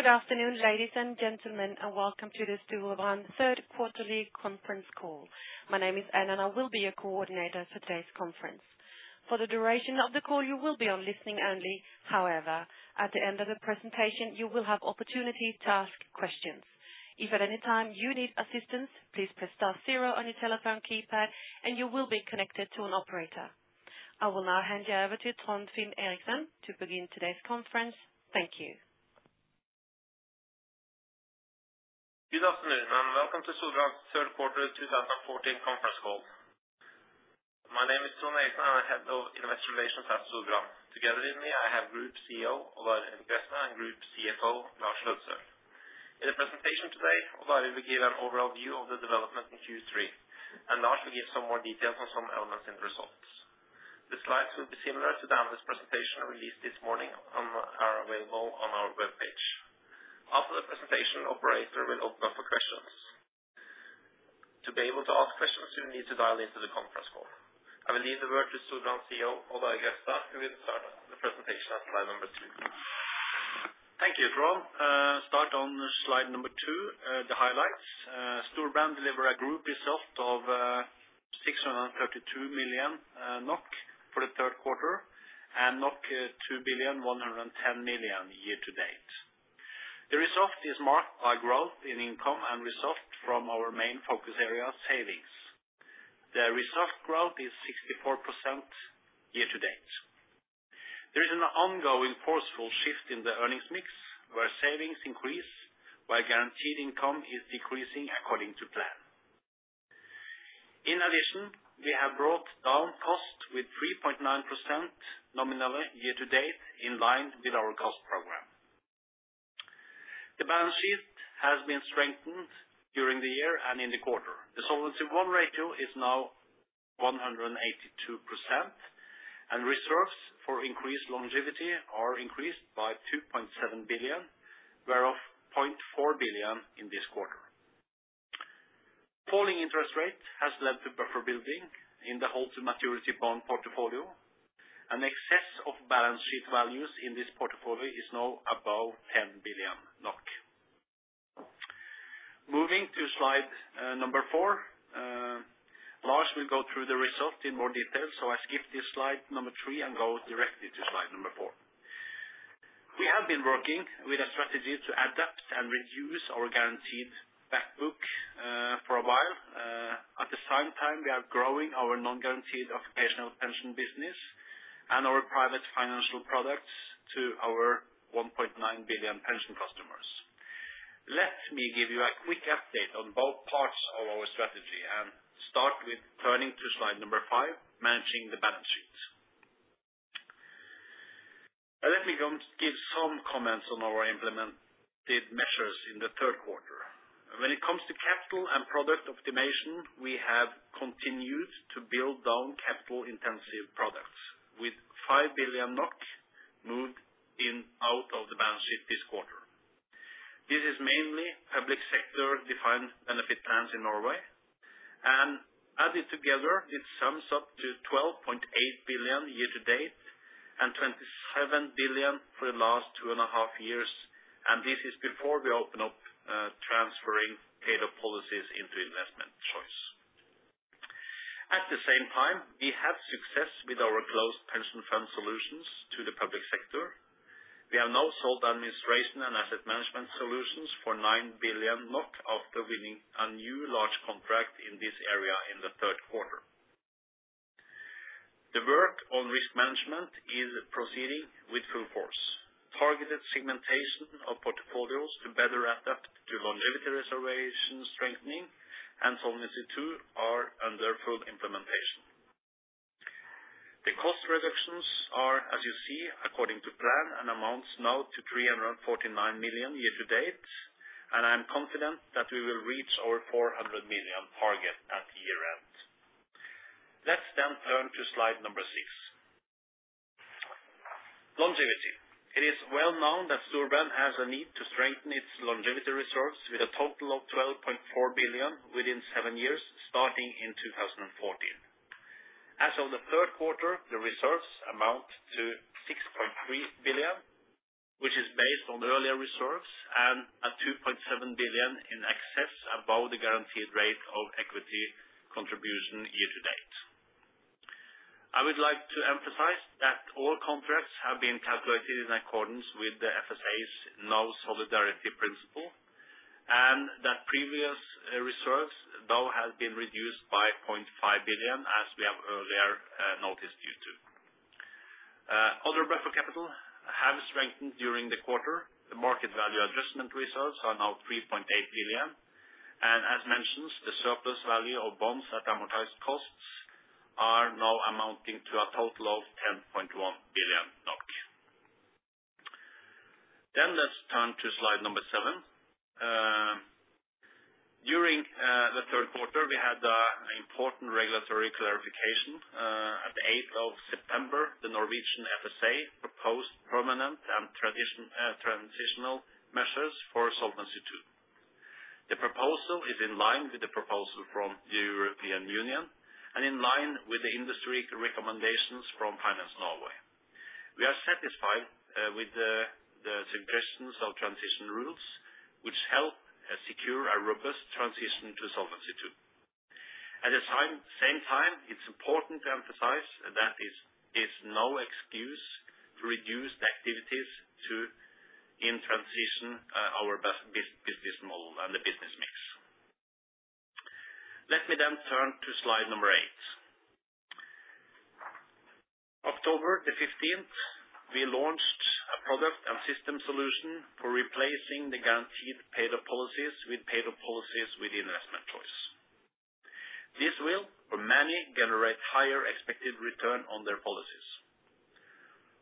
Good afternoon, ladies and gentlemen, and welcome to the Storebrand Third Quarterly Conference Call. My name is Anna, and I will be your coordinator for today's conference. For the duration of the call, you will be on listening only. However, at the end of the presentation, you will have opportunity to ask questions. If at any time you need assistance, please press star zero on your telephone keypad and you will be connected to an operator. I will now hand you over to Trond Finn Eriksen to begin today's conference. Thank you. Good afternoon, and welcome to Storebrand Third Quarter 2014 Conference Call. My name is Trond Eriksen, and I'm Head of Investor Relations at Storebrand. Together with me, I have Group CEO, Odd Arild Grefstad, and Group CFO, Lars Aasulv Løddesøl. In the presentation today, Odd Arild Grefstad will give an overall view of the development in Q3, and Lars Aasulv Løddesøl will give some more details on some elements and results. The slides will be similar to the analyst presentation released this morning, are available on our webpage. After the presentation, operator will open up for questions. To be able to ask questions, you need to dial into the conference call. I will leave the word to Storebrand CEO, Odd Arild Grefstad, who will start the presentation on slide number 2. Thank you, Trond. Start on slide number 2, the highlights. Storebrand deliver a group result of 632 million NOK for the third quarter, and 2.11 billion year to date. The result is marked by growth in income and result from our main focus area, savings. The result growth is 64% year to date. There is an ongoing forceful shift in the earnings mix, where savings increase, while guaranteed income is decreasing according to plan. In addition, we have brought down cost with 3.9% nominally year to date, in line with our cost program. The balance sheet has been strengthened during the year and in the quarter. The Solvency I ratio is now 182%, and reserves for increased longevity are increased by 2.7 billion, whereof 0.4 billion in this quarter. Falling interest rate has led to buffer building in the hold-to-maturity bond portfolio. An excess of balance sheet values in this portfolio is now above 10 billion NOK. Moving to slide number four, Lars will go through the results in more detail, so I skip this slide number three and go directly to slide number four. We have been working with a strategy to adapt and reduce our guaranteed back book for a while. At the same time, we are growing our non-guaranteed occupational pension business and our private financial products to our 1.9 billion pension customers. Let me give you a quick update on both parts of our strategy, and start with turning to slide number 5, Managing the Balance Sheet. Let me go give some comments on our implemented measures in the third quarter. When it comes to capital and product optimization, we have continued to build down capital intensive products, with 5 billion NOK moved in, out of the balance sheet this quarter. This is mainly public sector defined benefit plans in Norway, and added together, it sums up to 12.8 billion year to date and 27 billion for the last 2.5 years, and this is before we open up transferring paid-up policies into investment choice. At the same time, we had success with our closed pension fund solutions to the public sector. We have now sold administration and asset management solutions for 9 billion after winning a new large contract in this area in the third quarter. The work on risk management is proceeding with full force. Targeted segmentation of portfolios to better adapt to longevity reserve strengthening and Solvency II are under full implementation. The cost reductions are, as you see, according to plan, and amounts now to 349 million year to date, and I am confident that we will reach our 400 million target at year end. Let's then turn to slide number 6. Longevity. It is well known that Storebrand has a need to strengthen its longevity reserves with a total of 12.4 billion within seven years, starting in 2014. As of the third quarter, the reserves amount to 6.3 billion, which is based on the earlier reserves and 2.7 billion in excess above the guaranteed rate of equity contribution year to date. I would like to emphasize that all contracts have been calculated in accordance with the FSA's new solidarity principle, and that previous reserves, though, has been reduced by 0.5 billion, as we have earlier noticed you, too. Other buffer capital have strengthened during the quarter. The market value adjustment reserves are now 3.8 billion, and as mentioned, the surplus value of bonds at amortized costs are now amounting to a total of 10.1 billion NOK. Then let's turn to slide 7. During the third quarter, we had an important regulatory clarification. At the eighth of September, the Norwegian FSA proposed permanent and transitional measures for Solvency II. The proposal is in line with the proposal from the European Union and in line with the industry recommendations from Finance Norway. We are satisfied with the suggestions of transition rules, which help secure a robust transition to Solvency II. At the same time, it's important to emphasize that this is no excuse to reduce the activities in the transition of our business model and the business mix. Let me then turn to slide number eight. October the 15th, we launched a product and system solution for replacing the guaranteed paid-up policies with paid-up policies with investment choice. This will, for many, generate higher expected return on their policies.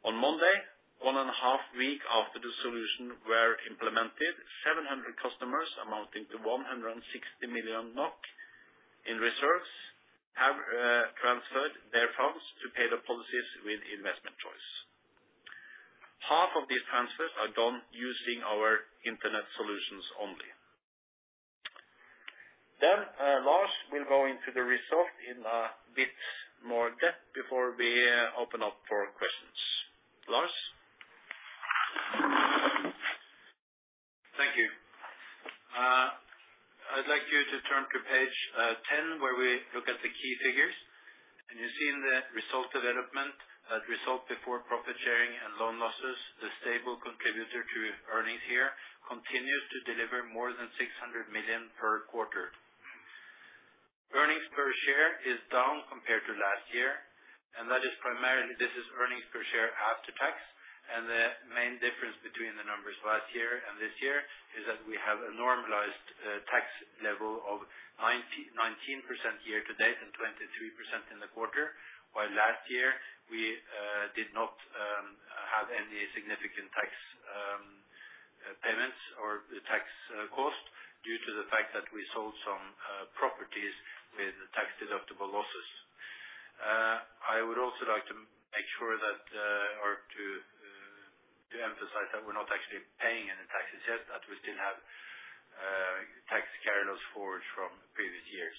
On Monday, one and a half week after the solution were implemented, 700 customers amounting to 160 million NOK in reserves have transferred their funds to pay the policies with investment choice. Half of these transfers are done using our internet solutions only. Lars will go into the result in a bit more depth before we open up for questions. Lars? Thank you. I'd like you to turn to page 10, where we look at the key figures, and you see in the result development, that result before profit sharing and loan losses, the stable contributor to earnings here continues to deliver more than 600 million per quarter. Earnings per share is down compared to last year, and that is primarily, this is earnings per share after tax. And the main difference between the numbers last year and this year is that we have a normalized tax level of 19% year-to-date and 23% in the quarter. While last year, we did not have any significant tax payments or tax cost due to the fact that we sold some properties with tax-deductible losses. I would also like to make sure that, or to emphasize that we're not actually paying any taxes yet, that we still have tax carry loss forward from previous years.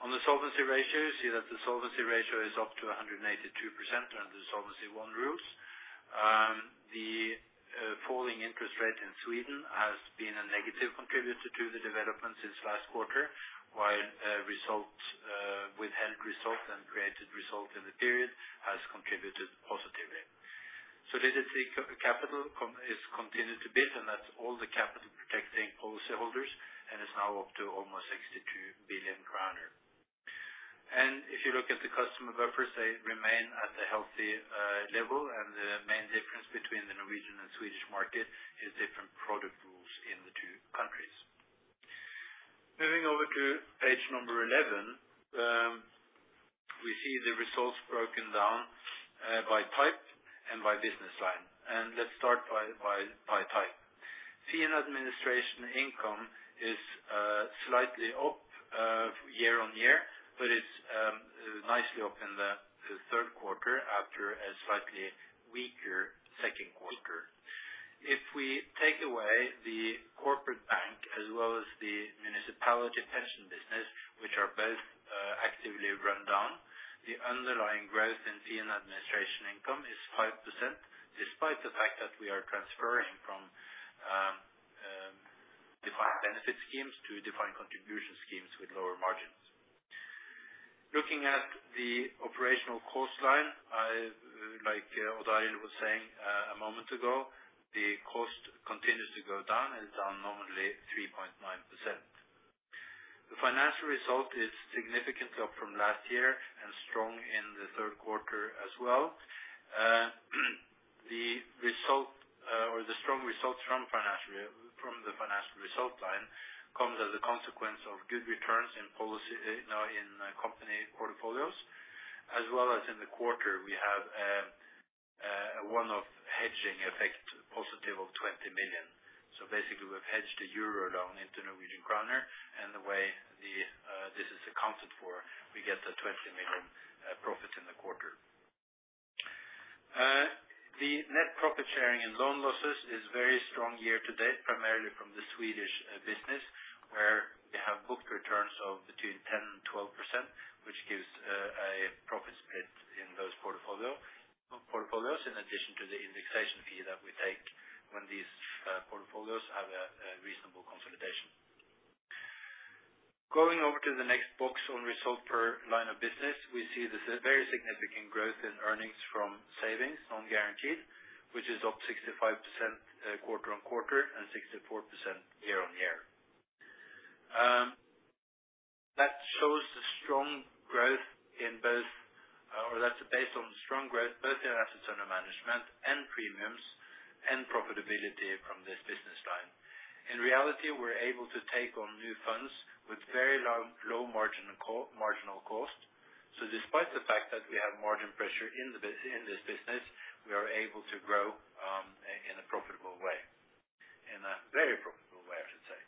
On the solvency ratio, you see that the solvency ratio is up to 182% under the Solvency I rules. The falling interest rate in Sweden has been a negative contributor to the development since last quarter, while result, withheld result, and created result in the period has contributed positively. This is the capital is continued to build, and that's all the capital protecting policyholders, and it's now up to almost 62 billion kroner. If you look at the customer buffers, they remain at a healthy level, and the main difference between the Norwegian and Swedish market is different product rules in the two countries. Moving over to page 11, we see the results broken down by type and by business line, and let's start by type. Fee and administration income is slightly up year-on-year, but it's nicely up in the third quarter after a slightly weaker second quarter. If we take away the corporate bank as well as the municipality pension business, which are both actively run down, the underlying growth in fee and administration income is 5%, despite the fact that we are transferring from defined benefit schemes to defined contribution schemes with lower margins. Looking at the operational cost line, I, like, Odd Arild was saying, a moment ago, the cost continues to go down, and it's down nominally 3.9%. The financial result is significantly up from last year and strong in the third quarter as well. The result, or the strong results from financial, from the financial result line comes as a consequence of good returns in policy, no, in company portfolios, as well as in the quarter, we have, one of hedging effect, positive of 20 million. So basically, we've hedged the euro down into Norwegian kroner, and the way the, this is accounted for, we get a 20 million profit in the quarter. The net profit sharing and loan losses is very strong year-to-date, primarily from the Swedish business, where we have booked returns of between 10% and 12%, which gives a profit split in those portfolios, in addition to the indexation fee that we take when these portfolios have a reasonable consolidation. Going over to the next box on result per line of business, we see this very significant growth in earnings from savings on guaranteed, which is up 65% quarter-on-quarter and 64% year-on-year. That shows the strong growth in both, or that's based on the strong growth both in assets under management and premiums and profitability from this business line. In reality, we're able to take on new funds with very low marginal cost. So despite the fact that we have margin pressure in the business, in this business, we are able to grow in a profitable way, in a very profitable way, I should say.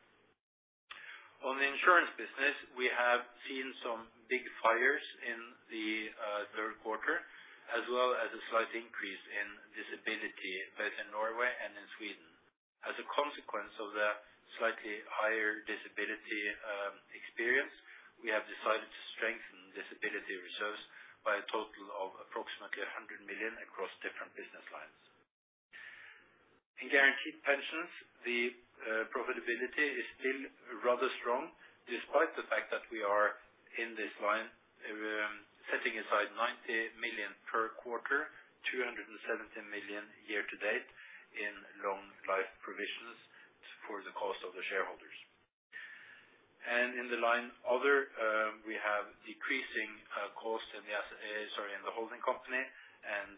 On the insurance business, we have seen some big fires in the third quarter, as well as a slight increase in disability, both in Norway and in Sweden. As a consequence of the slightly higher disability experience, we have decided to strengthen disability reserves by a total of approximately 100 million across different business lines. In guaranteed pensions, the profitability is still rather strong, despite the fact that we are in this line, setting aside 90 million per quarter, 270 million year to date in longevity provisions for the cost of the shareholders. And in the line, other, we have decreasing cost in the holding company, and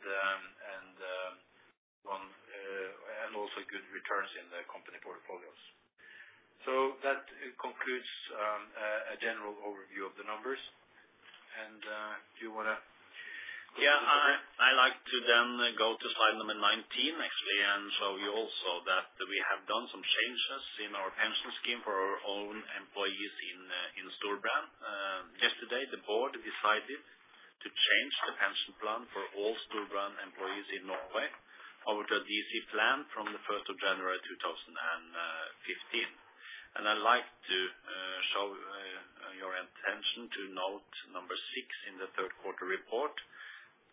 also good returns in the company portfolios. So that concludes a general overview of the numbers. And do you wanna? Yeah, I like to then go to slide number 19, actually, and show you also that we have done some changes in our pension scheme for our own employees in Storebrand. Yesterday, the board decided to change the pension plan for all Storebrand employees in Norway, over to a DC plan from the first of January 2015. And I'd like to show your attention to note number 6 in the third quarter report,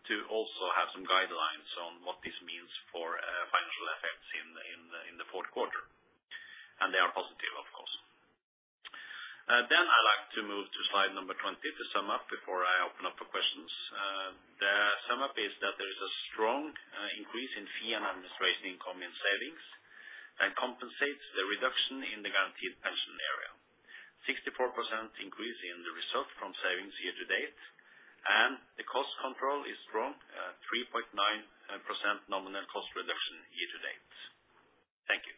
to also have some guidelines on what this means for financial effects in the fourth quarter. They are positive, of course. I'd like to move to slide number 20, to sum up before I open up for questions. The sum up is that there is a strong increase in fee and administration income in savings, and compensates the reduction in the guaranteed pension area. 64% increase in the result from savings year to date, and the cost control is strong, 3.9% nominal cost reduction year to date. Thank you.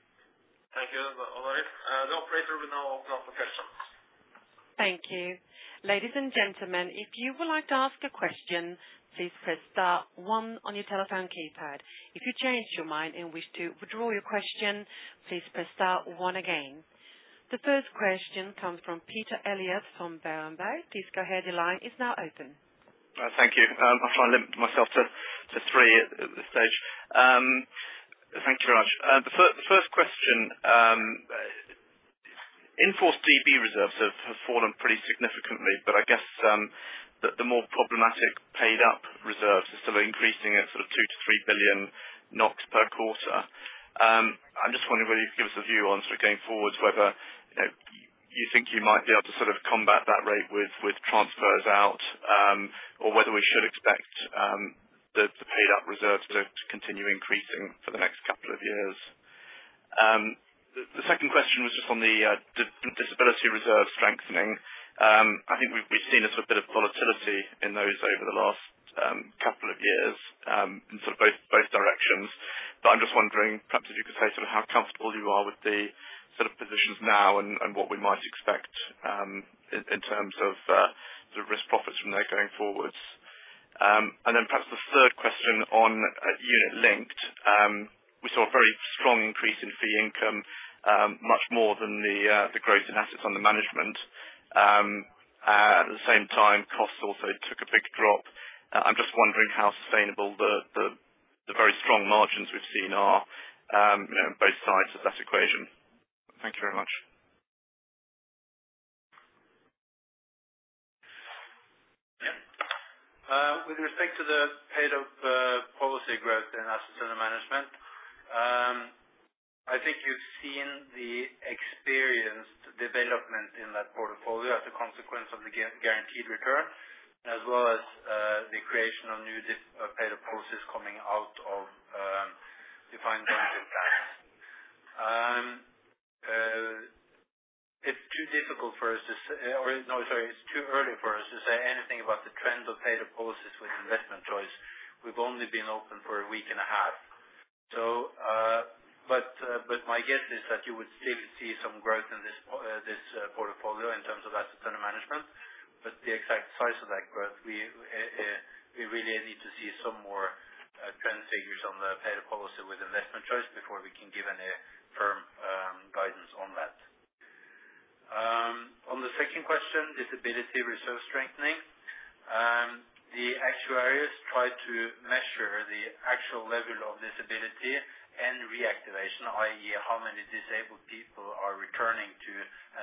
Thank you. All right, the operator will now open up for questions. Thank you. Ladies and gentlemen, if you would like to ask a question, please press star one on your telephone keypad. If you change your mind and wish to withdraw your question, please press star one again. The first question comes from Peter Eliot from Berenberg. Please go ahead, your line is now open. Thank you. I'll try to limit myself to three at this stage. Thank you very much. The first question, in force DB reserves have fallen pretty significantly, but I guess the more problematic paid up reserves are still increasing at sort of 2 billion-3 billion NOK per quarter. I'm just wondering whether you could give us a view on going forward, whether you know you think you might be able to combat that rate with transfers out, or whether we should expect the paid up reserves to continue increasing for the next couple of years? The second question was just on the disability reserve strengthening. I think we've seen a sort of bit of volatility in those over the last couple of years, in sort of both directions. But I'm just wondering, perhaps if you could say sort of how comfortable you are with the sort of positions now and what we might expect in terms of the risk profile from there going forwards. And then perhaps the third question on Unit Linked. We saw a very strong increase in fee income, much more than the growth in assets under management. At the same time, costs also took a big drop. I'm just wondering how sustainable the very strong margins we've seen are, you know, both sides of that equation. Thank you very much. Yeah. With respect to the paid up policy growth in assets under management, I think you've seen the experienced development in that portfolio as a consequence of the guaranteed return, as well as the creation of new paid up policies coming out of defined benefit plans. It's too difficult for us to say, or no, sorry, it's too early for us to say anything about the trend of paid up policies with investment choice. We've only been open for a week and a half. But my guess is that you would still see some growth in this portfolio in terms of assets under management, but the exact size of that growth, we really need to see some more trend figures on the Paid-up Policy with Investment Choice before we can give any firm guidance on that. On the second question, disability reserve strengthening. The actuaries try to measure the actual level of disability and reactivation, i.e., how many disabled people are returning to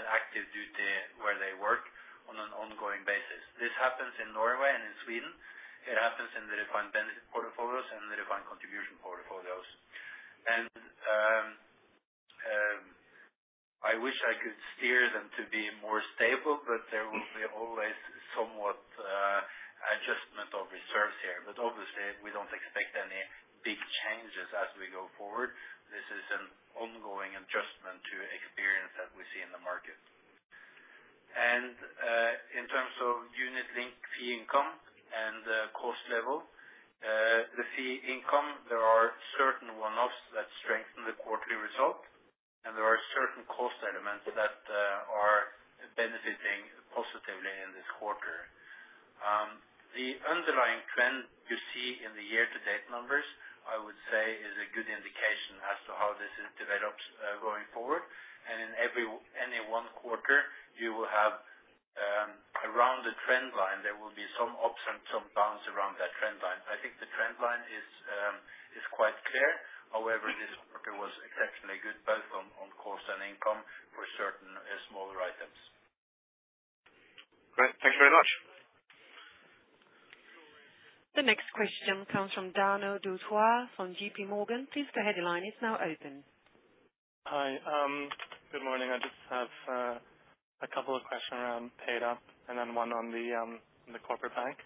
an active duty where they work on an ongoing basis. This happens in Norway and in Sweden. It happens in the Defined Benefit portfolios and the Defined Contribution portfolios. And I wish I could steer them to be more stable, but there will always be somewhat adjustment of reserves here. Obviously, we don't expect any big changes as we go forward. This is an ongoing adjustment to experience that we see in the market. And in terms of unit link fee income and the cost level, the fee income, there are certain one-offs that strengthen the quarterly result, and there are certain cost elements that are benefiting- quarter. The underlying trend you see in the year-to-date numbers, I would say, is a good indication as to how this is developed going forward. And in any one quarter, you will have around the trend line, there will be some ups and some downs around that trend line. I think the trend line is quite clear. However, this quarter was exceptionally good, both on cost and income for certain smaller items. Great. Thank you very much. The next question comes from Daniel Do-Thoi from JPMorgan. Please, the line is now open. Hi, good morning. I just have a couple of questions around paid-up, and then one on the corporate bank.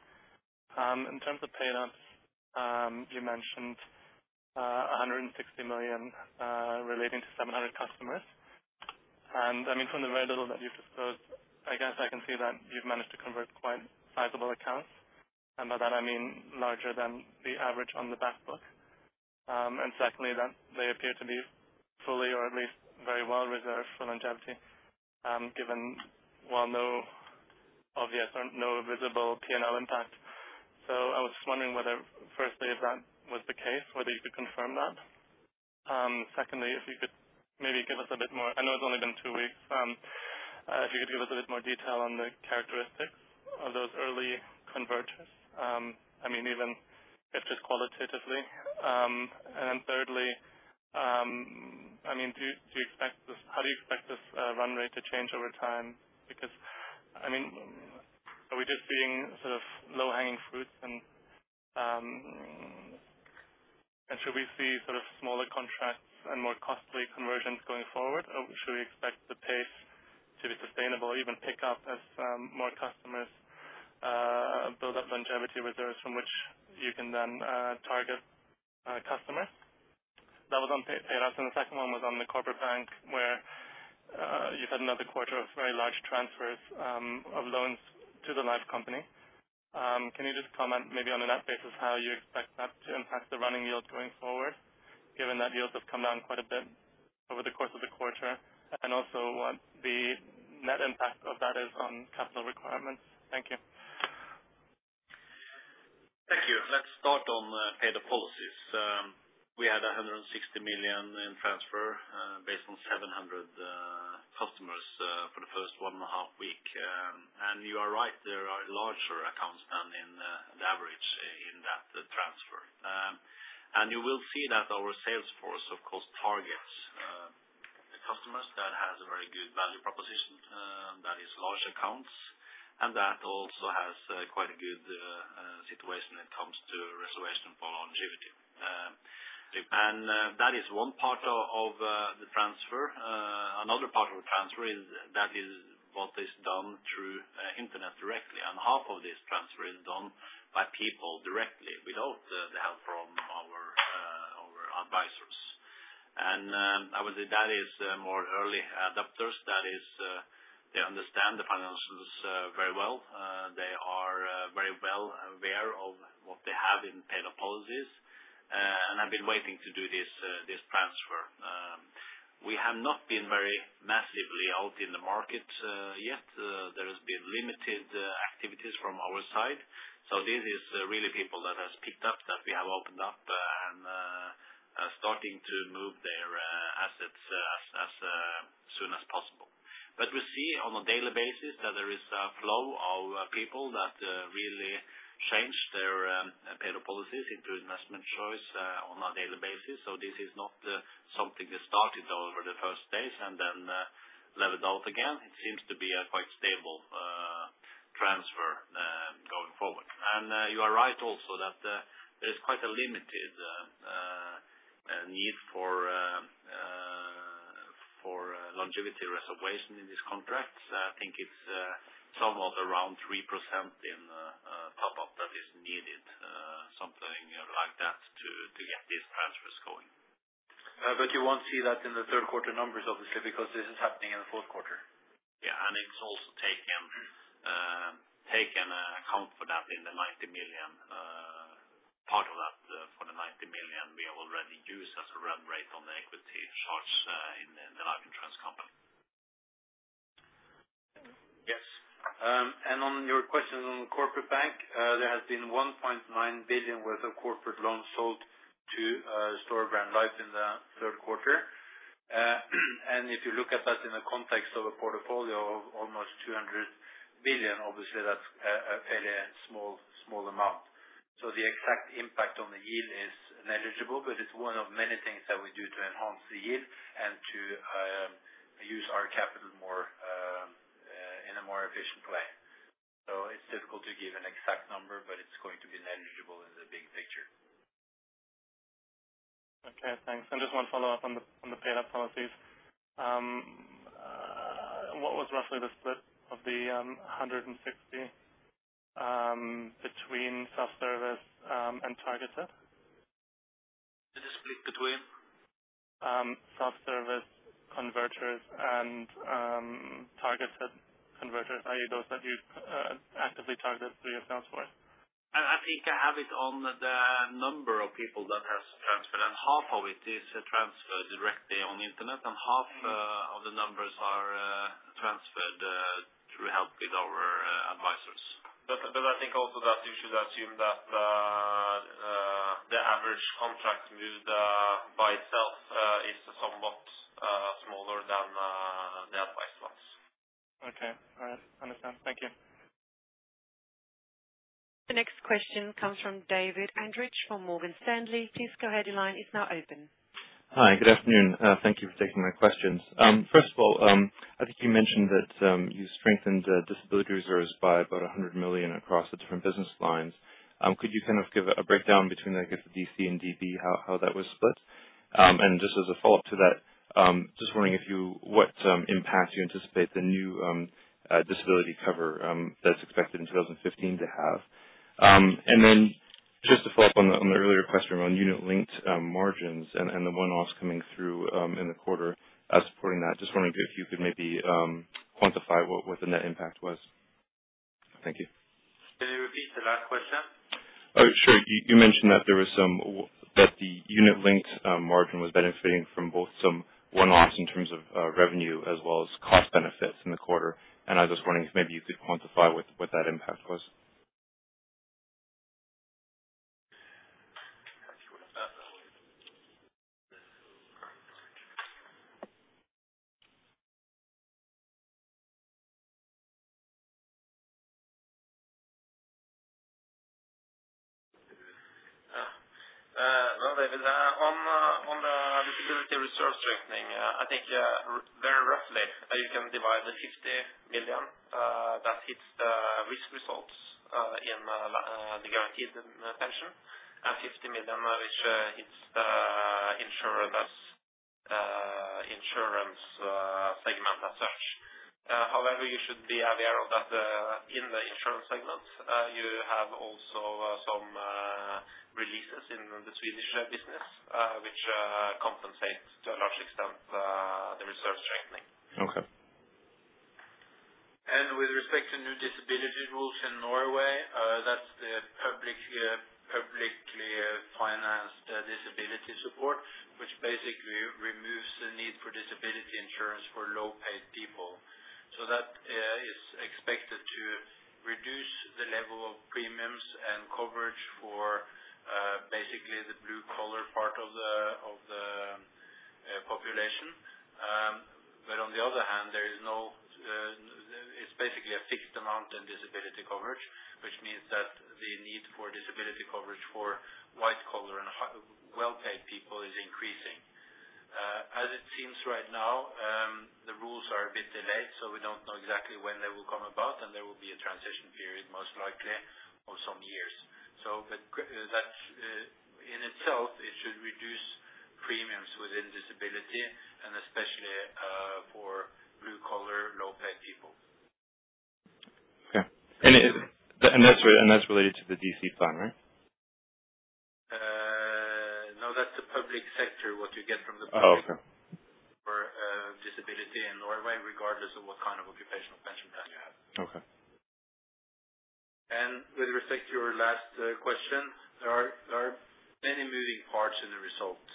In terms of paid-ups, you mentioned 160 million relating to 700 customers. And I mean, from the very little that you've disclosed, I guess I can see that you've managed to convert quite sizable accounts, and by that I mean larger than the average on the back book. And secondly, that they appear to be fully or at least very well reserved for longevity, given while no obvious or no visible P&L impact. So I was just wondering whether, firstly, if that was the case, whether you could confirm that? Secondly, if you could maybe give us a bit more. I know it's only been two weeks, if you could give us a bit more detail on the characteristics of those early converters, I mean, even if just qualitatively. And then thirdly, I mean, do you expect this—how do you expect this run rate to change over time? Because, I mean, are we just seeing sort of low-hanging fruits, and should we see sort of smaller contracts and more costly conversions going forward, or should we expect the pace to be sustainable, even pick up as more customers build up longevity reserves from which you can then target customers? That was on paid-ups, and the second one was on the corporate bank, where you've had another quarter of very large transfers of loans to the life company. Can you just comment maybe on a net basis, how you expect that to impact the running yield going forward, given that yields have come down quite a bit over the course of the quarter, and also what the net impact of that is on capital requirements? Thank you. Thank you. Let's start on paid-up policies. We had 160 million in transfer based on 700 customers for the first 1.5 weeks. And you are right, there are larger accounts than in the average in that transfer. And you will see that our sales force, of course, targets the customers that has a very good value proposition that is large accounts, and that also has quite a good situation when it comes to reservation for longevity reserves. And that is one part of the transfer. Another part of the transfer is that is what is done through internet directly, and half of this transfer is done by people directly without the help from our advisors. And, I would say that is more early adopters. That is, they understand the financials very well. They are very well aware of what they have in paid-up policies and have been waiting to do this, this transfer. We have not been very massively out in the market yet. There has been limited activities from our side. So this is really people that has picked up, that we have opened up, and are starting to move their assets as soon as possible. But we see on a daily basis that there is a flow of people that really change their paid-up policies into investment choice on a daily basis. So this is not something that started over the first days and then leveled out again. It seems to be a quite stable transfer going forward. You are right also that there's quite a limited need for longevity reserves in these contracts. I think it's somewhat around 3% in paid-up that is needed, something like that, to get these transfers going. You won't see that in the third quarter numbers, obviously, because this is happening in the fourth quarter. Yeah, and it's also taken account for that in the 90 million, part of that for the 90 million we already use as a run rate on the equity shorts, in the life insurance company. Yes. And on your question on corporate bank, there has been 1.9 billion worth of corporate loans sold to Storebrand Life in the third quarter. And if you look at that in the context of a portfolio of almost 200 billion, obviously that's a fairly small, small amount. So the exact impact on the yield is negligible, but it's one of many things that we do to enhance the yield and to use our capital more in a more efficient way. So it's difficult to give an exact number, but it's going to be negligible in the big picture. Okay, thanks. And just one follow-up on the paid-up policies. What was roughly the split of the 160 between self-service and targeted? The split between? Self-service converters and targeted converters, i.e., those that you actively targeted through your sales force? I think I have it on the number of people that has transferred, and half of it is transferred directly on internet, and half of the numbers are transferred through help with our advisors. But I think also that you should assume that the average contract with by itself is somewhat smaller than the advice ones. Okay. All right, I understand. Thank you. The next question comes from David Andrich from Morgan Stanley. Please go ahead, your line is now open. Hi, good afternoon. Thank you for taking my questions. First of all, I think you mentioned that you strengthened the disability reserves by about 100 million across the different business lines. Could you kind of give a breakdown between, I guess, the DC and DB, how that was split? And just as a follow-up to that, just wondering what impact you anticipate the new disability cover that's expected in 2015 to have? And then just to follow up on the earlier question around unit linked margins and the one-offs coming through in the quarter supporting that. Just wondering if you could maybe quantify what the net impact was. Thank you. Can you repeat the last question? Sure. You mentioned that there was some that the Unit Linked margin was benefiting from both some one-offs in terms of revenue as well as cost benefits in the quarter. And I was just wondering if maybe you could quantify what that impact was. Well, David, on the disability reserve strengthening, I think very roughly, you can divide the 50 million that hits the risk result in the guaranteed pension, and 50 million, which hits the insurance segment as such. However, you should be aware of that in the insurance segment, you have also some releases in the Swedish business, which compensate to a large extent the reserve strengthening. Okay. With respect to new disability rules in Norway, that's the publicly financed disability support, which basically removes the need for disability insurance for low-paid people. So that is expected to reduce the level of premiums and coverage for basically the blue collar part of the population. But on the other hand, it's basically a fixed amount in disability coverage, which means that the need for disability coverage for white collar and well-paid people is increasing. As it seems right now, the rules are a bit delayed, so we don't know exactly when they will come about, and there will be a transition period, most likely, of some years. But that's in itself it should reduce premiums within disability and especially for blue collar, low-paid people. Okay. And that's related to the DC plan, right? No, that's the public sector, what you get from the public- Oh, okay. For, disability in Norway, regardless of what kind of occupational pension plan you have. Okay. With respect to your last question, there are many moving parts in the result.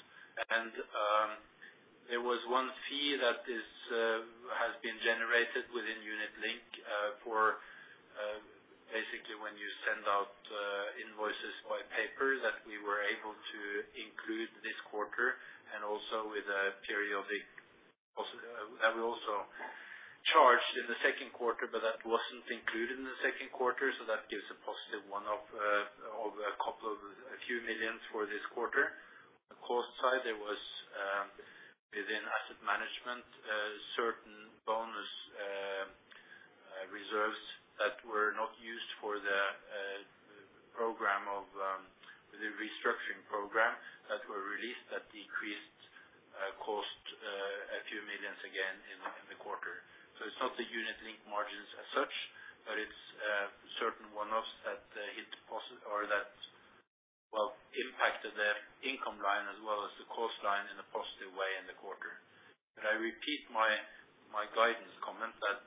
There was one fee that has been generated within Unit Link for basically when you send out invoices by paper, that we were able to include this quarter, and also with a period of the Posit- and we also charged in the second quarter, but that wasn't included in the second quarter, so that gives a positive one-off of a couple of a few million for this quarter. The cost side, there was within asset management certain bonus reserves that were not used for the program of the restructuring program that were released, that decreased cost a few million again in the quarter. So it's not the Unit Linked margins as such, but it's certain one-offs that, well, impacted the income line as well as the cost line in a positive way in the quarter. But I repeat my guidance comment, that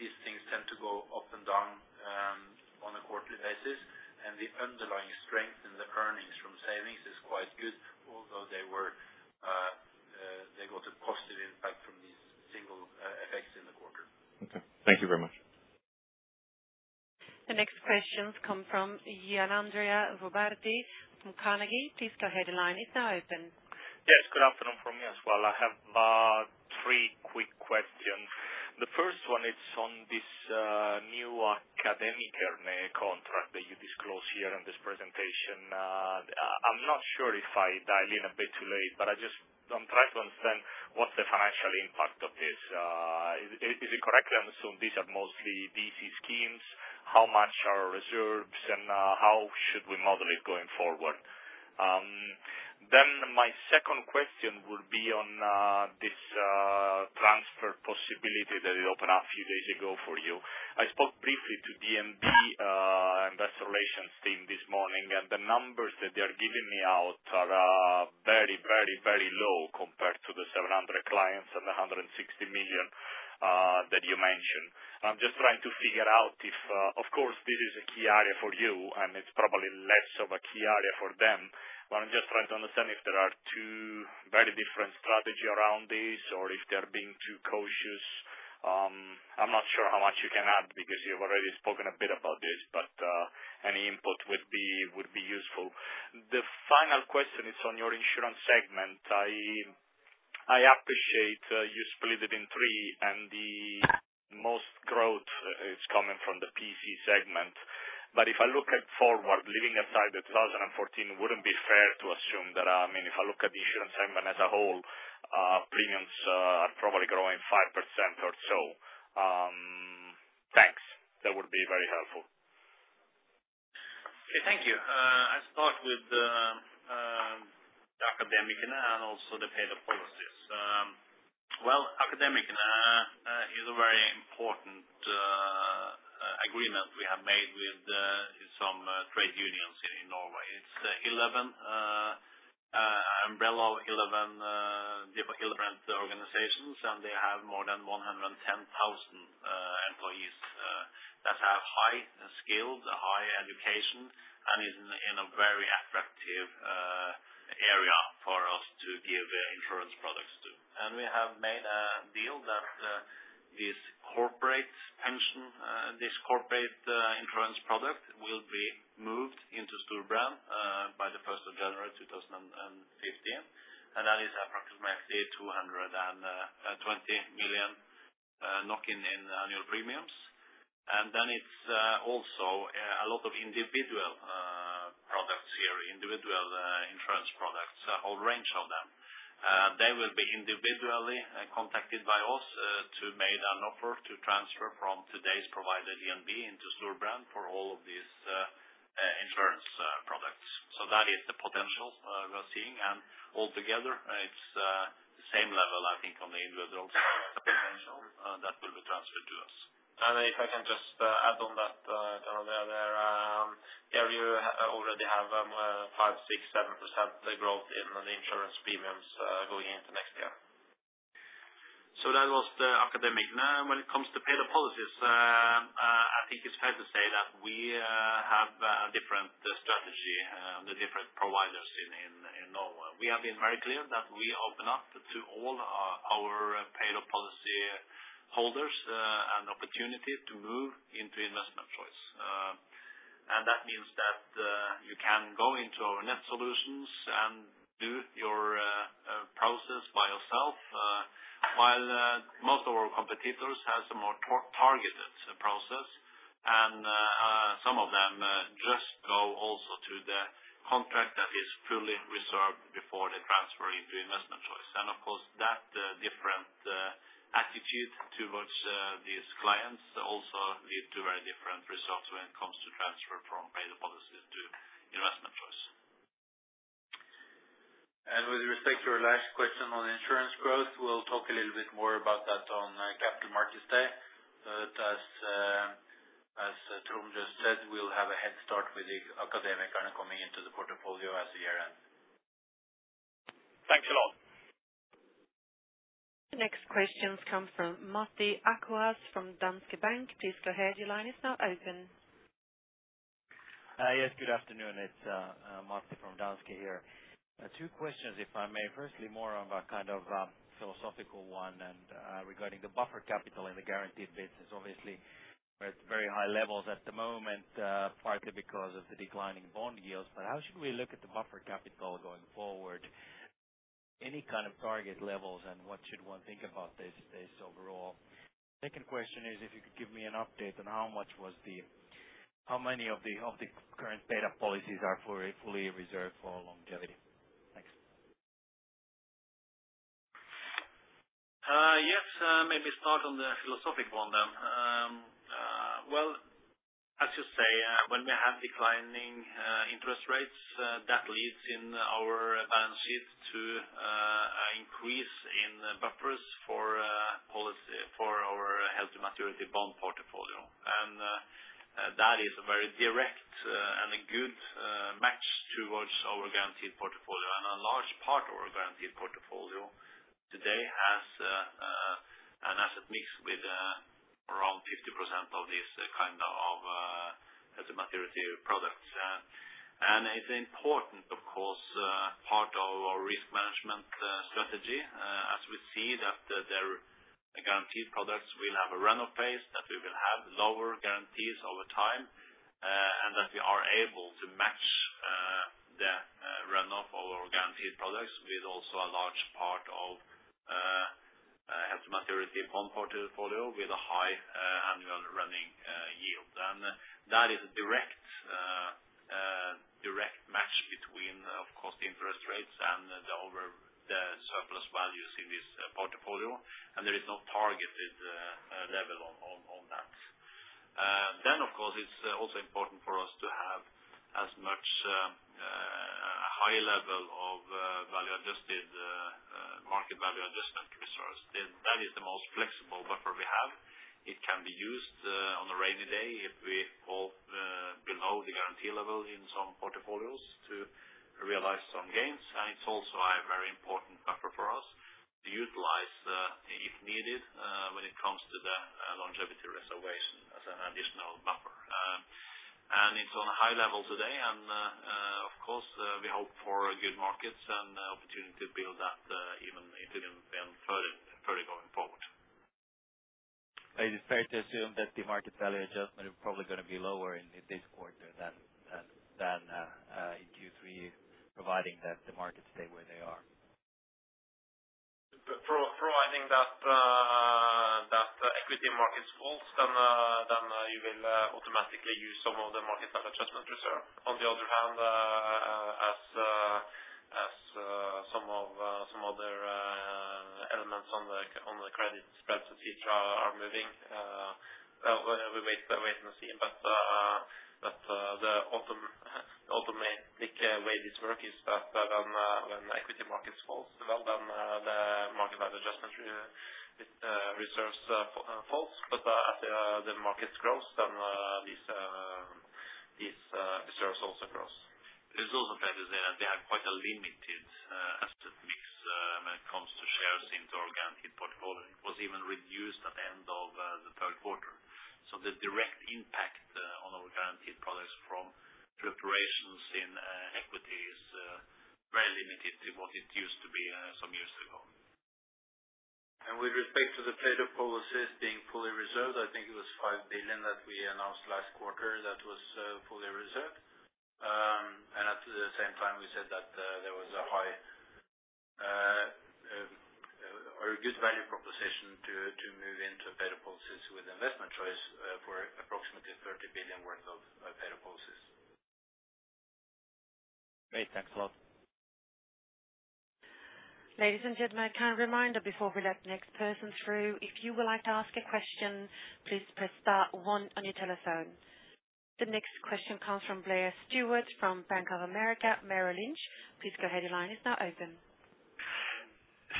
these things tend to go up and down on a quarterly basis, and the underlying strength in the earnings from savings is quite good, although they got a positive impact from these single effects in the quarter. Okay. Thank you very much. The next questions come from Gianandrea Roberti from Carnegie. Please go ahead, your line is now open. Yes, good afternoon from me as well. I have three quick questions. The first one is on this new Akademikerne contract that you disclosed here in this presentation. I'm not sure if I dialed in a bit too late, but I'm trying to understand what's the financial impact of this? Is it correct, I assume these are mostly DB schemes. How much are reserves, and how should we model it going forward? Then my second question would be on this transfer possibility that you opened up a few days ago for you. I spoke briefly to DNB investor relations team this morning, and the numbers that they are giving me out are very, very, very low compared to the 700 clients and the 160 million that you mentioned. I'm just trying to figure out if. Of course, this is a key area for you, and it's probably less of a key area for them. But I'm just trying to understand if there are two very different strategy around this, or if they're being too cautious? I'm not sure how much you can add, because you've already spoken a bit about this, but any input would be useful. The final question is on your insurance segment. I appreciate you split it in three, and the most growth is coming from the P&C segment. But if I look forward, leaving aside 2014, would it be fair to assume that, I mean, if I look at the insurance segment as a whole, premiums are probably growing 5% or so? Thanks. That would be very helpful. Thank you. I'll start with the Akademikerne and also the paid-up policies. Well, Akademikerne is a very important agreement we have made with some trade unions here in Norway. It's 11 umbrella, 11 different organizations, and they have more than 110,000 employees that have high skills, high education, and is in a very attractive area for us to give insurance products to. And we have made a deal that this corporate pension, this corporate insurance product will be moved into Storebrand by the first of January 2015. And that is approximately 220 million in annual premiums. And then it's also a lot of individual products here, individual insurance products, a whole range of them. They will be individually contacted by us to make an offer to transfer from today's provider, DNB, into Storebrand for all of these insurance products. So that is the potential we are seeing. And altogether, it's same level, I think, on the individual that will be transferred to us. And if I can just add on that, here we already have 5%-7% growth in the insurance premiums going into next year. So that was the Akademikerne. Now, when it comes to paid-up policies, I think it's fair to say that we have a different strategy than the different providers in Norway. We have been very clear that we open up to all our paid-up policy holders an opportunity to move into investment choice. And that means that you can go into our online solutions and do your process by yourself, while most of our competitors have a more targeted process. And some of them just also go to the contract that is fully reserved before they transfer into investment choice. And of course, that different attitude towards these clients also lead to very different results when it comes to transfer from paid-up policy to investment choice. With respect to your last question on insurance growth, we'll talk a little bit more about that on Capital Markets Day. But as Trond just said, we'll have a head start with the Akademikerne coming into the portfolio as of year-end. Thanks a lot. The next questions come from Matti Ahokas from Danske Bank. Please go ahead. Your line is now open. Yes, good afternoon. It's Matti from Danske here. Two questions, if I may. Firstly, more of a kind of philosophical one, and regarding the buffer capital in the guaranteed business. Obviously, we're at very high levels at the moment, partly because of the declining bond yields. But how should we look at the buffer capital going forward? Any kind of target levels, and what should one think about this overall? Second question is, if you could give me an update on how many of the current paid-up policies are fully reserved for longevity? Thanks. Yes. Maybe start on the philosophic one then. Well, as you say, when we have declining interest rates, that leads in our balance sheet to increase in buffers for policy for our healthy maturity bond portfolio. And that is a very direct and a good match towards our guaranteed portfolio. And a large part of our guaranteed portfolio today has an asset mix with around 50% of this kind of as a maturity products. It's important, of course, part of our risk management strategy, as we see that the guaranteed products will have a run-off pace, that we will have lower guarantees over time, and that we are able to match the runoff of our guaranteed products with also a large part of held-to-maturity bond portfolio with a high annual running yield. And that is a direct match between, of course, interest rates and the overall surplus values in this portfolio. And there is no targeted level on that. Then, of course, it's also important for us to have as high a level of value-adjusted market value adjustment reserves. That is the most flexible buffer we have. It can be used on a rainy day if we fall below the guarantee level in some portfolios to realize some gains. It's also a very important buffer for us to utilize if needed when it comes to the- on a high level today, and, of course, we hope for good markets and opportunity to build that, even further going forward. It is fair to assume that the market value adjustment is probably gonna be lower in this quarter than in Q3, providing that the markets stay where they are? Providing that equity markets falls, then you will automatically use some of the market adjustment reserve. On the other hand, as some other elements on the credit spreads, et cetera, are moving, we wait and see. But ultimately, big way this work is that when equity markets falls, well, then the market adjustment reserves falls, but the market grows, then these reserves also grows. There's also the fact that they have quite a limited asset mix when it comes to shares in our guaranteed portfolio. It was even reduced at the end of the third quarter. So the direct impact on our guaranteed products from depreciations in equities very limited to what it used to be some years ago. With respect to the paid-up policies being fully reserved, I think it was 5 billion that we announced last quarter that was fully reserved. At the same time, we said that there was a high or a good value proposition to move into paid-up policies with investment choice for approximately 30 billion worth of paid-up policies. Great. Thanks a lot. Ladies and gentlemen, a kind reminder before we let the next person through. If you would like to ask a question, please press star one on your telephone. The next question comes from Blair Stewart from Bank of America Merrill Lynch. Please go ahead. Your line is now open.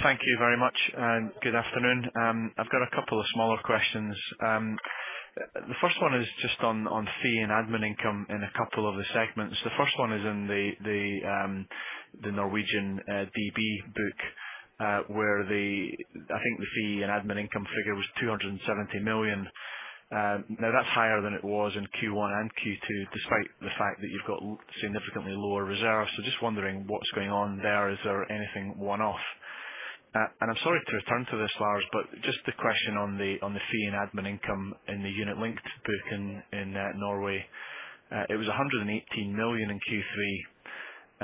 Thank you very much, and good afternoon. I've got a couple of smaller questions. The first one is just on fee and admin income in a couple of the segments. The first one is in the Norwegian DB book, where the. I think the fee and admin income figure was 270 million. Now, that's higher than it was in Q1 and Q2, despite the fact that you've got significantly lower reserves. So just wondering what's going on there. Is there anything one-off? And I'm sorry to return to this, Lars, but just the question on the fee and admin income in the unit-linked book in Norway. It was 118 million in Q3,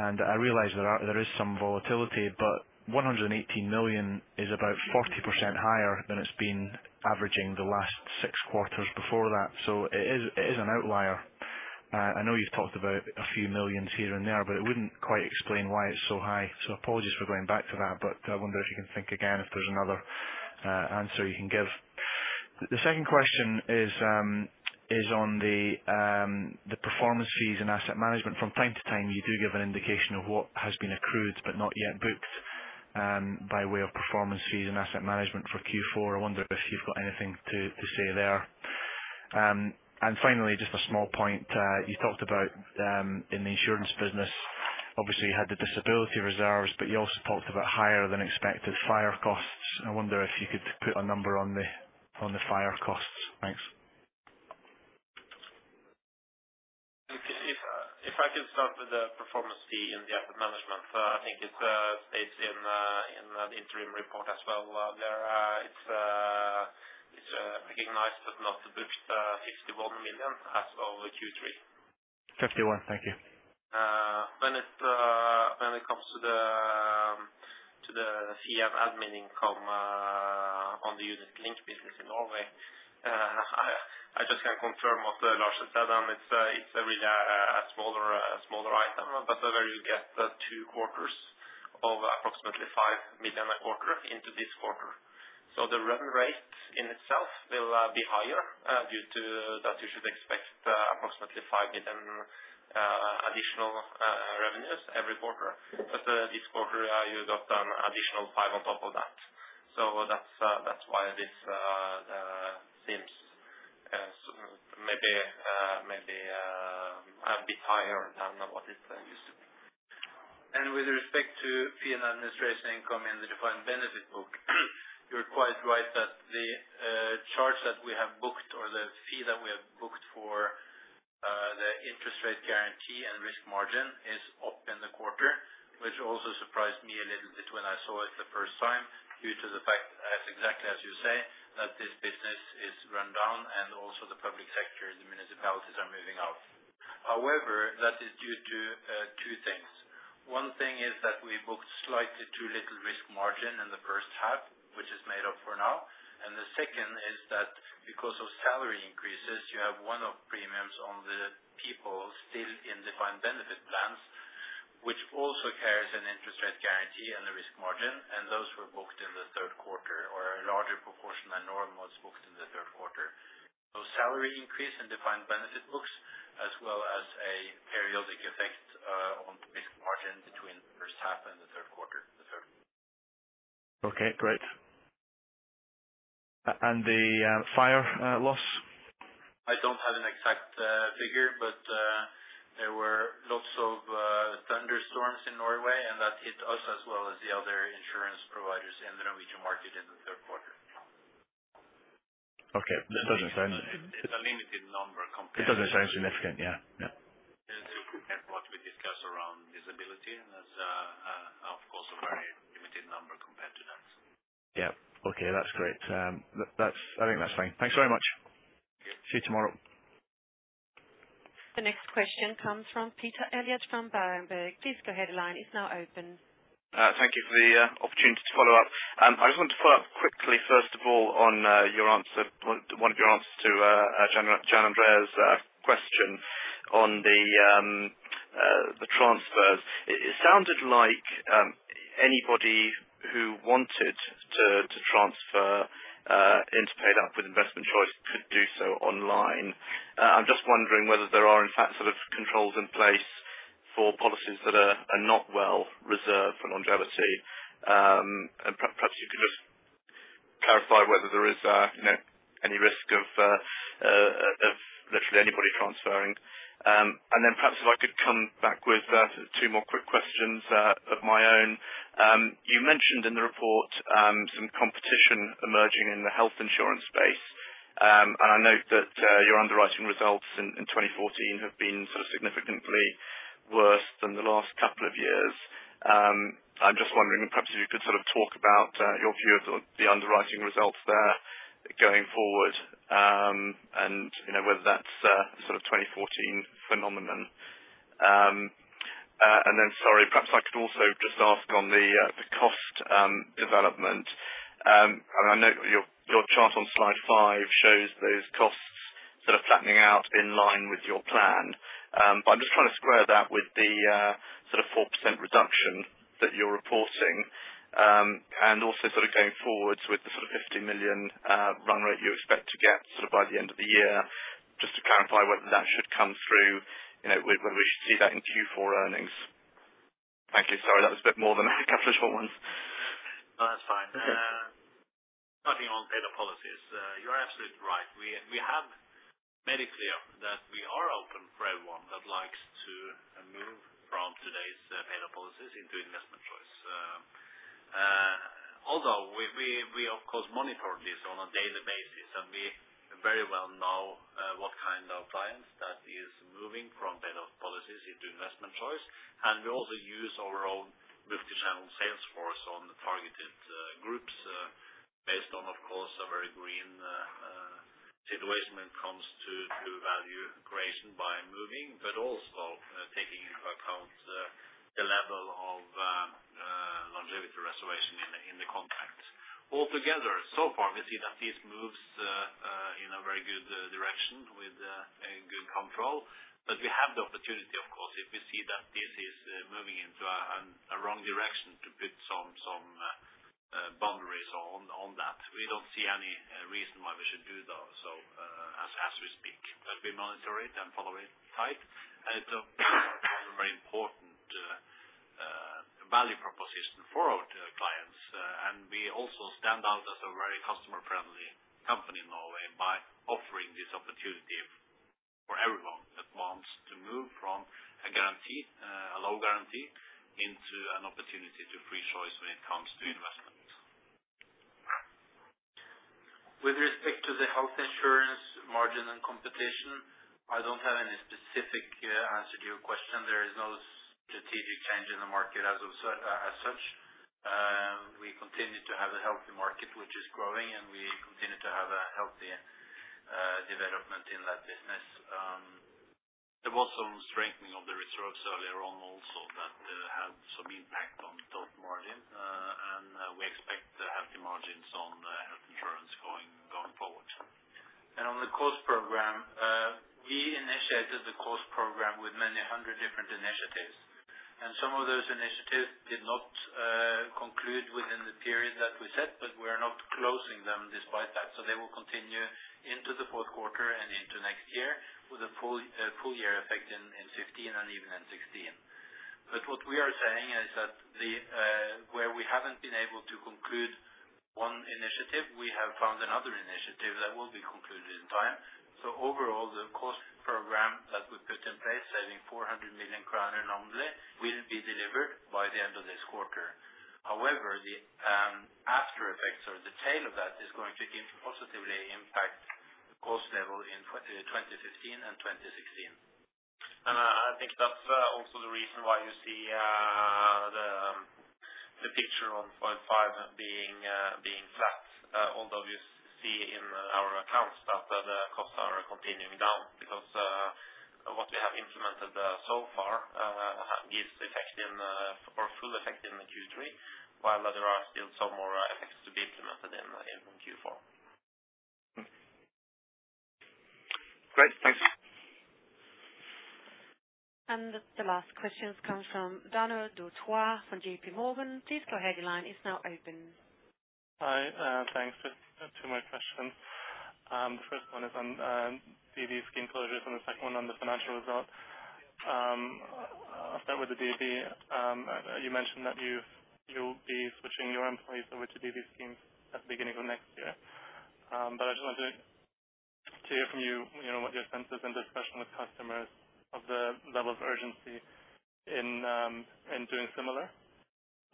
and I realize there is some volatility, but 118 million is about 40% higher than it's been averaging the last six quarters before that. So it is an outlier. I know you've talked about NOK a few million here and there, but it wouldn't quite explain why it's so high. So apologies for going back to that, but I wonder if you can think again, if there's another answer you can give. The second question is on the performance fees and asset management. From time to time, you do give an indication of what has been accrued but not yet booked by way of performance fees and asset management for Q4. I wonder if you've got anything to say there. And finally, just a small point. You talked about, in the insurance business, obviously, you had the disability reserves, but you also talked about higher than expected fire costs. I wonder if you could put a number on the, on the fire costs. Thanks. If I could start with the performance fee in the asset management. I think it states in the interim report as well. There, it's recognized, but not booked, 61 million as of Q3. 51. Thank you. When it comes to the fee and admin income on the unit link business in Norway, I just can confirm what Lars said, and it's a really smaller item, but where you get the two quarters of approximately 5 million a quarter into this quarter. So the run rate in itself will be higher due to that, you should expect approximately 5 million additional revenues every quarter. But this quarter you got an additional 5 million on top of that. So that's why this seems so maybe a bit higher than what it used to be. And with respect to fee and administration income in the defined benefit book, you're quite right that the charge that we have booked or the fee that we have booked for the interest rate guarantee and risk margin is up in the quarter, which also surprised me a little bit when I saw it the first time, due to the fact that exactly as you say, that this business is run down and also the public sector, the municipalities are moving out. However, that is due to two things. One thing is that we booked slightly too little risk margin in the first half, which is made up for now. And the second is that because of salary increases, you have one-off premiums on the people still in Defined Benefit plans, which also carries an interest rate guarantee and a risk margin, and those were booked in the third quarter, or a larger proportion than normal was booked in the third quarter. So salary increase in Defined Benefit books, as well as a periodic effect, on risk margin between first half and the third quarter, the third. Okay, great. And the fire loss? I don't have an exact figure, but there were lots of thunderstorms in Norway, and that hit us as well as the other insurance providers in the Norwegian market in the third quarter. Okay, that doesn't sound- It's a limited number compared to- It doesn't sound significant. Yeah, yeah. What we discussed around disability is, of course, a very limited number compared to that. Yeah. Okay, that's great. I think that's fine. Thanks very much. See you tomorrow. The next question comes from Peter Elliott from Berenberg. Please, the headline is now open. Thank you for the opportunity to follow up. I just want to follow up quickly, first of all, on one of your answers to Gianandrea's question on the transfers. It sounded like anybody who wanted to transfer into paid-up with investment choice could do so online. I'm just wondering whether there are, in fact, sort of controls in place for policies that are not well reserved for longevity. And perhaps you could just clarify whether there is, you know, any risk of literally anybody transferring. And then perhaps if I could come back with two more quick questions of my own. You mentioned in the report some competition emerging in the health insurance space. And I note that your underwriting results in 2014 have been sort of significantly worse than the last couple of years. I'm just wondering if perhaps you could sort of talk about your view of the underwriting results there going forward, and you know, whether that's a sort of 2014 phenomenon. And then sorry, perhaps I could also just ask on the cost development. And I know your chart on slide 5 shows those costs sort of flattening out in line with your plan. But I'm just trying to square that with the sort of 4% reduction that you're reporting. And also sort of going forwards with the sort of 50 million run rate you expect to get sort of by the end of the year, just to clarify whether that should come through, you know, whether we should see that in Q4 earnings. Thank you. Sorry, that was a bit more than a couple of short ones. No, that's fine. Starting on paid-up policies, you're absolutely right. We have made it clear that we are open for everyone that likes to move from today's paid-up policies into investment choice. Although we, of course, monitor this on a daily basis, and we very well know what kind of clients that is moving from paid-up policies into investment choice. And we also use our own multi-channel sales force on targeted groups based on, of course, a very green situation when it comes to value creation by moving, but also taking into account the level of longevity reserves in the contract. Altogether, so far, we see that this moves in a very good direction with a good control. But we have the opportunity, of course, if we see that this is moving into a wrong direction, to put some boundaries on that. We don't see any reason why we should do, though, so as we speak, but we monitor it and follow it tight. And it's a very important value proposition for our clients. And we also stand out as a very customer-friendly company in Norway by offering this opportunity for everyone that wants to move from a guarantee, a low guarantee, into an opportunity to free choice when it comes to investments. With respect to the health insurance margin and competition, I don't have any specific answer to your question. There is no strategic change in the market as such. We continue to have a healthy market, which is growing, and we continue to have a healthy development in that business. There was some strengthening of the reserves earlier on also that had some impact on top margin and we expect healthy margins on the health insurance going forward. On the cost program, we initiated the cost program with many hundred different initiatives, and some of those initiatives did not conclude within the period that we set, but we are not closing them despite that. So they will continue into the fourth quarter and into next year with a full year effect in 2015 and even in 2016. But what we are saying is that, where we haven't been able to conclude one initiative, we have found another initiative that will be concluded in time. So overall, the cost program that we put in place, saving 400 million kroner annually, will be delivered by the end of this quarter. However, the after effects or the tail of that is going to positively impact the cost level in 2015 and 2016. I think that's also the reason why you see the picture on point 5 being flat. Although we see in our accounts that the costs are continuing down because what we have implemented so far gives effect in or full effect in Q3, while there are still some more effects to be implemented in Q4. Great. Thanks. The last question comes from Daniel Do-Thoi from JPMorgan. Please, the headline is now open. Hi, thanks. Just two more questions. First one is on DB scheme closures, and the second one on the financial results. I'll start with the DB. You mentioned that you'll be switching your employees over to DB schemes at the beginning of next year. But I just wanted to hear from you, you know, what your sense is in discussion with customers of the level of urgency in doing similar.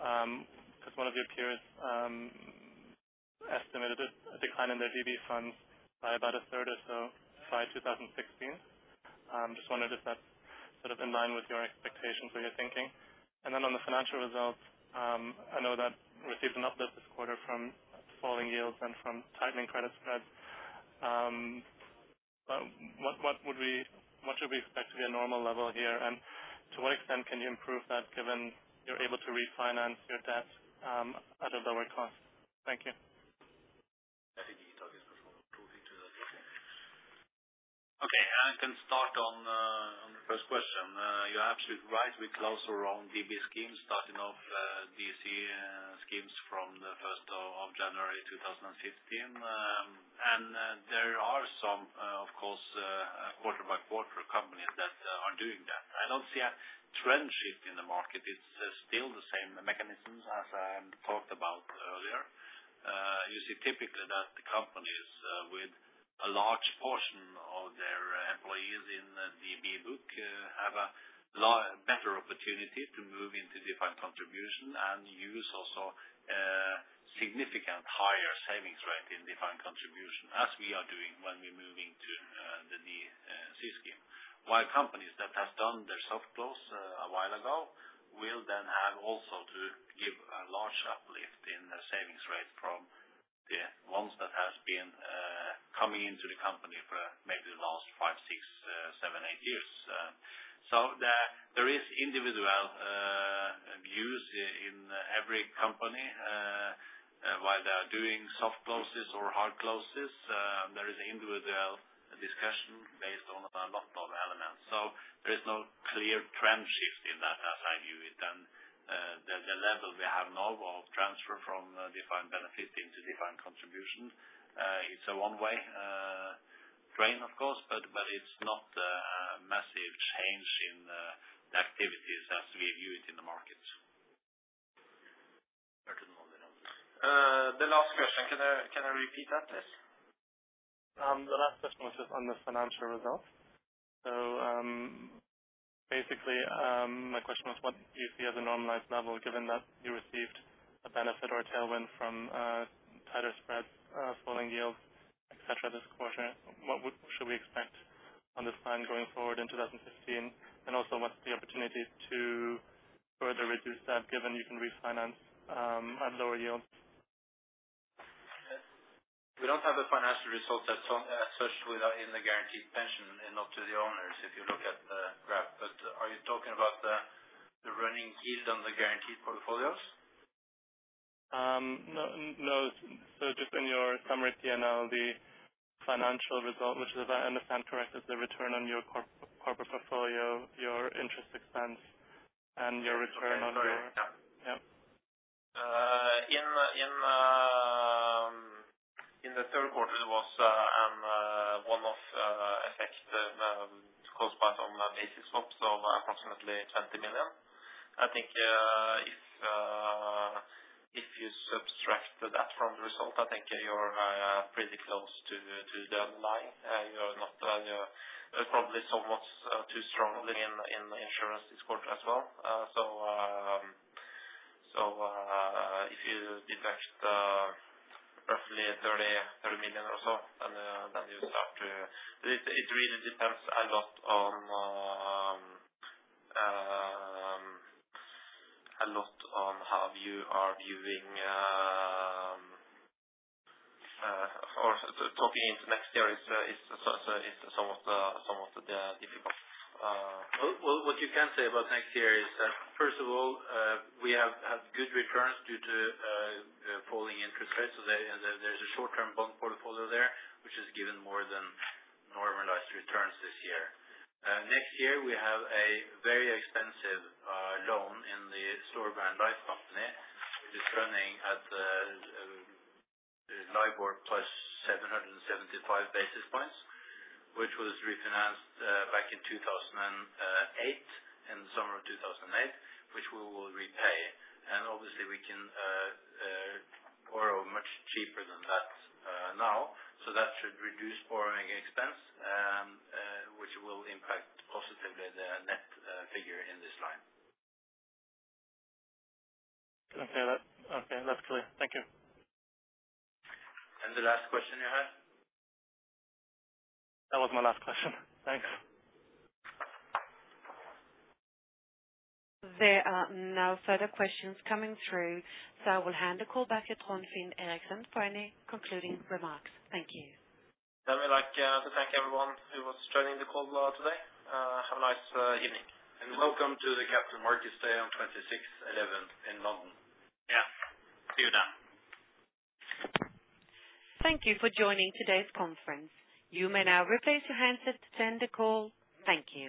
Because one of your peers estimated a decline in their DB funds by about a third or so by 2016. Just wondered if that's sort of in line with your expectations or your thinking. And then on the financial results, I know that received an uplift this quarter from falling yields and from tightening credit spreads. But what should we expect to be a normal level here? And to what extent can you improve that, given you're able to refinance your debt at a lower cost? Thank you. I think he talked before talking to that. Okay, I can start on the first question. You're absolutely right. We close around DB schemes, starting off DC schemes from January 1, 2016. And there are some, of course, quarter by quarter companies that are doing that. I don't see a trend shift in the market. It's still the same mechanisms as I talked about earlier. You see typically that the companies with a large portion of their employees in the DB book have a better opportunity to move into defined contribution. And use also significant higher savings rate in defined contribution, as we are doing when we're moving to the new C scheme. While companies that have done their soft close a while ago will then have also to give a large uplift in the savings rate from the ones that have been coming into the company for maybe the last 5, 6, 7, 8 years. So there is individual views in every company while they are doing soft closes or hard closes. There is individual discussion based on a lot of elements. So there is no clear trend shift in that, as I view it, and the level we have now of transfer from defined benefit into defined contribution, it's a one-way train, of course, but it's not a massive change in the activities as we view it in the market. The last question, can I, can I repeat that, please? The last question was just on the financial results. So, basically, my question was, what do you see as a normalized level, given that you received a benefit or a tailwind from, tighter spreads, falling yields, et cetera, this quarter? What should we expect on this line going forward in 2015? And also, what's the opportunity to further reduce that, given you can refinance, at lower yields? We don't have the financial results as such, especially within the guaranteed pension and not to the owners, if you look at the graph. But are you talking about the, the running yields on the guaranteed portfolios? No, no. So just in your summary P&L, the financial result, which if I understand correct, is the return on your corporate portfolio, your interest expense, and your return on your- Okay. Sorry. Yeah. In the third quarter, it was one-off effect caused by some basis swaps of approximately 20 million. I think, if you subtract that from the result, I think you're pretty close to the line. You are not probably so much too strongly in insurance this quarter as well. So, if you deduct roughly 30 million or so, and then you start to. It really depends a lot on how you are viewing or talking into next year is some of the difficult. Well, what you can say about next year is, first of all, we have had good returns due to falling interest rates. So there, there's a short-term bond portfolio there, which has given more than normalized returns this year. Next year, we have a very expensive loan in the Storebrand Life Company, which is running at the LIBOR plus 775 basis points, which was refinanced back in 2008, in the summer of 2008, which we will repay. And obviously, we can borrow much cheaper than that now. So that should reduce borrowing expense, which will impact positively the net figure in this line. Okay, that's clear. Thank you. The last question you have? That was my last question. Thanks. There are no further questions coming through, so I will hand the call back to Trond Finn Eriksen for any concluding remarks. Thank you. I'd like to thank everyone who was joining the call today. Have a nice evening. Welcome to the Capital Markets Day on 26 November in London. Yeah. See you then. Thank you for joining today's conference. You may now replace your handsets to end the call. Thank you.